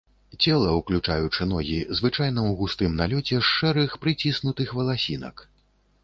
Цела, уключаючы ногі, звычайна ў густым налёце з шэрых прыціснутых валасінак.